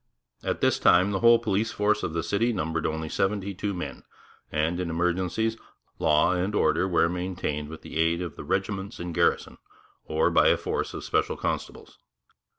At this time the whole police force of the city numbered only seventy two men, and, in emergencies, law and order were maintained with the aid of the regiments in garrison, or by a force of special constables.